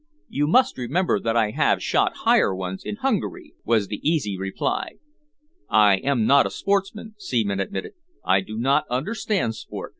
"You must remember that I have shot higher ones in Hungary," was the easy reply. "I am not a sportsman," Seaman admitted. "I do not understand sport.